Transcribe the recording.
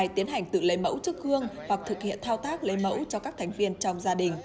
tiến hành tự lấy mẫu chức gương hoặc thực hiện thao tác lấy mẫu cho các thành viên trong gia đình